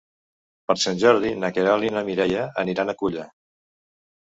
Per Sant Jordi na Queralt i na Mireia aniran a Culla.